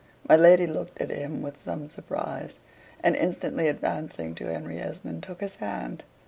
My lady looked at him with some surprise, and instantly advancing to Henry Esmond, took his hand.